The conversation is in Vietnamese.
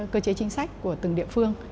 cơ chế chính sách của từng địa phương